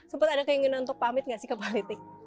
sempet ada keinginan untuk pamit nggak sih ke politik